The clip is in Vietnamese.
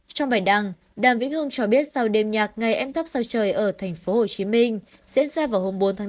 trong bài đăng đàm vĩnh hương cho biết sau đêm nhạc ngày em thắp sao trời ở tp hcm diễn ra vào hôm bốn tháng bốn